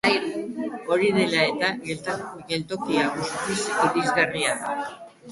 Hori dela eta geltokia guztiz irisgarria da.